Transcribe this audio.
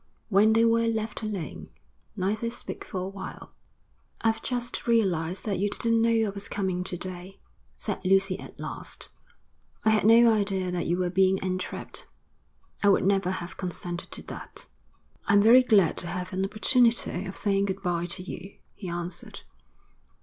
When they were left alone, neither spoke for a while. 'I've just realised that you didn't know I was coming to day,' said Lucy at last. 'I had no idea that you were being entrapped. I would never have consented to that.' 'I'm very glad to have an opportunity of saying good bye to you,' he answered.